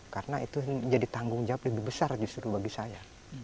karena itu menjadi tanggung jawab lebih besar justru bagi saya